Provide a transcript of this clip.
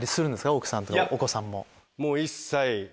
奥さんとお子さん。